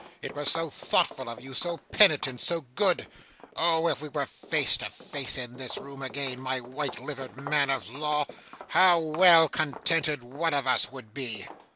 It was so thoughtful of you, so penitent, so good. Oh, if we were face to face in this room again, my white livered man of law, how well contented one of us would be!